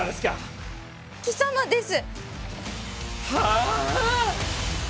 貴様です！